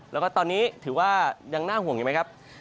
แล้วก็ตอนนี้ถือว่ายังน่าห่วงอยู่ไหมครับ